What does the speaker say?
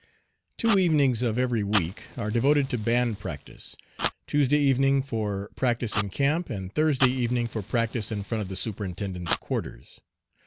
Two evenings of every week are devoted to band practice, Tuesday evening for practice in camp, and Thursday evening for practice in front of the Superintendent's quarters.